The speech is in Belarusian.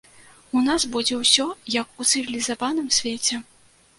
У нас будзе ўсё, як у цывілізаваным свеце.